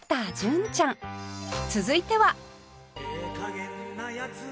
続いては